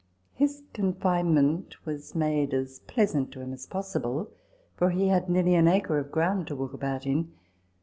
His confinement was made as pleasant to him as possible ; for he had nearly an acre of ground to walk about in.